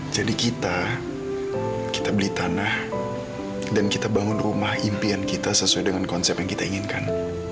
jadi kita kita beli tanah dan kita bangun rumah impian kita sesuai dengan konsep yang kita inginkan